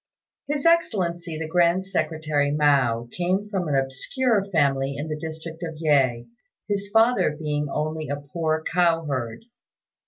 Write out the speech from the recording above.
His Excellency the Grand Secretary Mao came from an obscure family in the district of Yeh, his father being only a poor cow herd.